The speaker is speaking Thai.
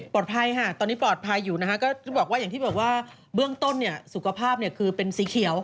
ปลอดภัยฮะตอนนี้ปลอดภัยอยู่นะฮะก็อย่างที่บอกว่าเบื้องต้นสุขภาพคือเป็นสีเขียว